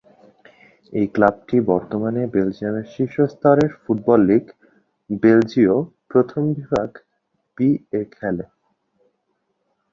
এই ক্লাবটি বর্তমানে বেলজিয়ামের শীর্ষ স্তরের ফুটবল লীগ বেলজীয় প্রথম বিভাগ বি-এ খেলে।